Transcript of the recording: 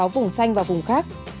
năm trăm linh sáu vùng xanh và vùng khác